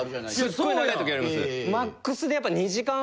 すっごい長い時あります。